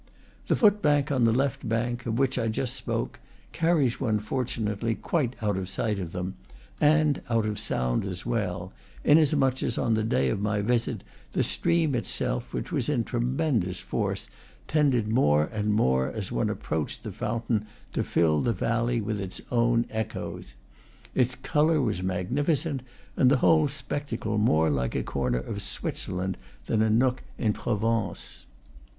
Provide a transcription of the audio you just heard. The footpath on the left bank, of which I just spoke, carries one, fortunately, quite out of sight of them, and out of sound as well, inasmuch as on the day of my visit the stream itself, which was in tremendous force, tended more and more, as one approached the fountain, to fill the valley with its own echoes. Its color was magnificent, and the whole spectacle more like a corner of Switzerland than a nook in Provence.